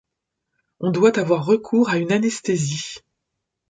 On doit avoir recours à une anesthésie.